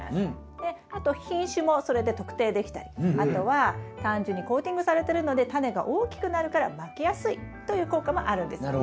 であと品種もそれで特定できたりあとは単純にコーティングされてるのでタネが大きくなるからまきやすいという効果もあるんですよね。